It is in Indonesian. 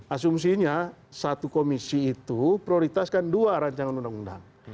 asumsinya satu komisi itu prioritaskan dua rancangan undang undang